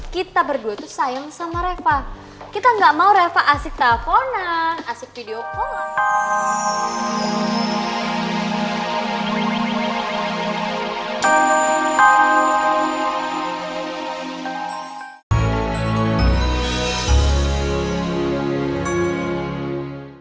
kita berdua tuh sayang sama reva kita gak mau reva asik teleponan asik video call an